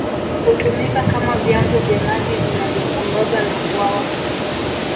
Hutumika kama vyanzo vya maji vinavyosambaza na bwawa